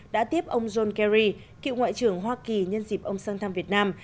đã tiếp ông john kerry cựu ngoại trưởng hoa kỳ nhân dịp ông sang thăm việt nam